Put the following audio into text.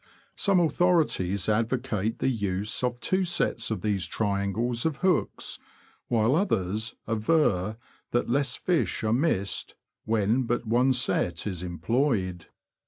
Some authori ties advocate the use of two sets of these triangles of hooks, while others aver that less fish are missed when but one set is employed.